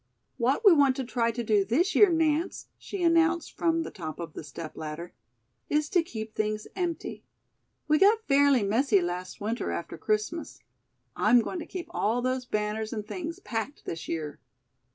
"What we want to try to do this year, Nance," she announced from the top of the step ladder, "is to keep things empty. We got fairly messy last winter after Christmas. I'm going to keep all those banners and things packed this year."